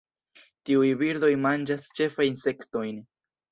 Tiuj birdoj manĝas ĉefe insektojn.